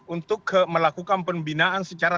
untuk melakukan pembinaan secara